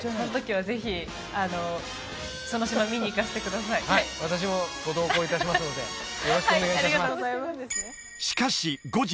はい私もご同行いたしますのでよろしくお願いいたします